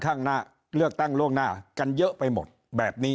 ยิ่งอาจจะมีคนเกณฑ์ไปลงเลือกตั้งล่วงหน้ากันเยอะไปหมดแบบนี้